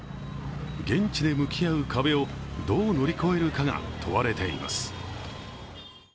現地で向き合う壁をどう乗り越えるかが問われています。